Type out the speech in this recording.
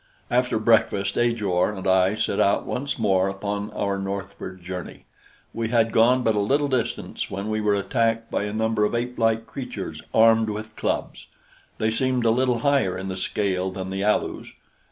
After breakfast Ajor and I set out once more upon our northward journey. We had gone but a little distance when we were attacked by a number of apelike creatures armed with clubs. They seemed a little higher in the scale than the Alus.